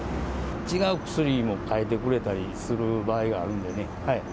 違う薬にも変えてくれたりする場合があるんでね。